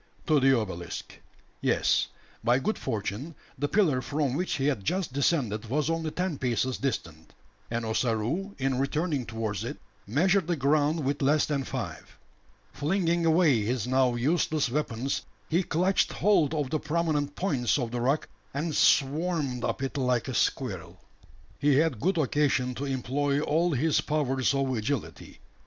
To the obelisk. Yes, by good fortune, the pillar from which he had just descended was only ten paces distant; and Ossaroo, in returning towards it, measured the ground with less than five. Flinging away his now useless weapons, he clutched hold of the prominent points of the rock, and "swarmed" up it like a squirrel. He had good occasion to employ all his powers of agility.